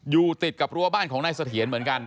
อยู่ติดกับรั้วบ้านของนายเสถียรเหมือนกัน